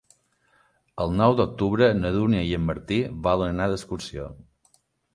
El nou d'octubre na Dúnia i en Martí volen anar d'excursió.